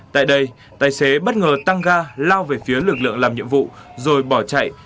tại đây tài xế bất ngờ tăng ga lao về phía lực lượng làm nhiệm vụ rồi bỏ chạy